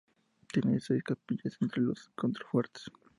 Tiene seis capillas entre los contrafuertes.